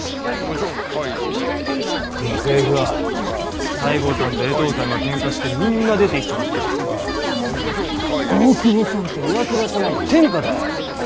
今政府は西郷さんと江藤さんがけんかしてみんな出ていっちまって大久保さんと岩倉様の天下だ。